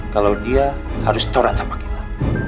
kalau dia harus setoran sama kita